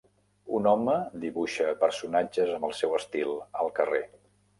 Un home dibuixa personatges amb el seu estil al carrer.